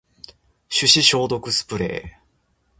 手指消毒スプレー